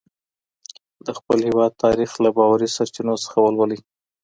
د خپل هېواد تاریخ له باوري سرچینو څخه ولولئ.